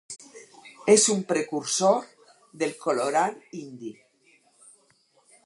És un precursor del colorant indi.